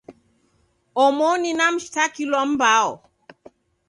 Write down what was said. Omoni na mshitakilwa mbao